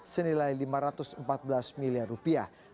senilai lima ratus empat belas miliar rupiah